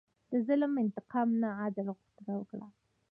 د ظلم انتقام نه، عدل غوښتنه وکړه.